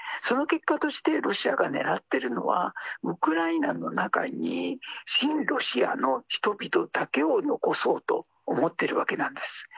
その結果として、ロシアがねらっているのは、ウクライナの中に、親ロシアの人々だけを残そうと思っているわけなんです。